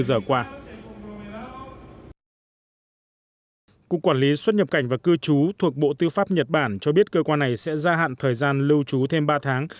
cục quản lý xuất nhập cảnh và cư trú thuộc bộ tư pháp nhật bản cho biết cơ quan này sẽ gia hạn thời gian lưu trú thêm ba tháng